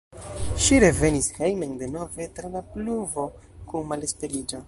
Ŝi revenis hejmen denove tra la pluvo kun malesperiĝo.